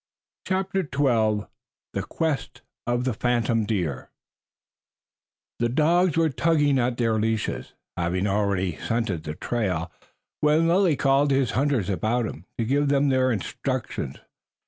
CHAPTER XII THE QUEST OF THE PHANTOM DEER The dogs were tugging at their leashes, having already scented the trail, when Lilly called his hunters about him to give them their directions.